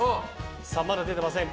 まだ出てません。